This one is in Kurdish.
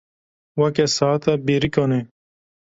Weke saeta bêrîkan e.